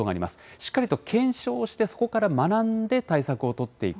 しっかりと検証をして、そこから学んで対策を取っていく。